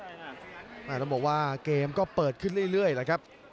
ตอนนี้ต้องบอกว่าเกมก็เปิดขึ้นเรื่อยเลยครับ